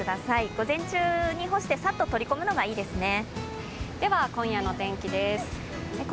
午前中に干してサッと取り込むのがいいですね。